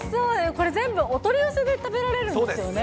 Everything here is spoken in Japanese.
これ、全部お取り寄せで食べられるんですよね。